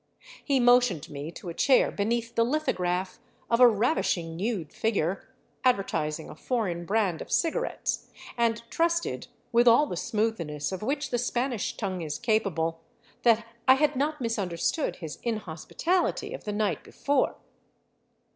He motioned me to a chair beneath the lithograph of a ravish ing nude figure advertising a foreign brand of cigarettes, and trusted, with all the smoothness of which the Spanish tongue is capable, that 1 had not misunderstood his mhospitality of the night before.